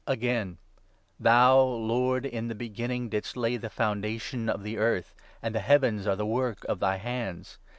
Again — 10 ' Thou, Lord, in the beginning didst lay the foundation of the earth, And the heavens are the work of thy hands.